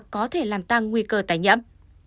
có thể làm tăng nguy cơ tái nhiễm